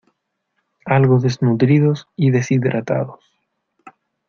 algo desnutridos y deshidratados,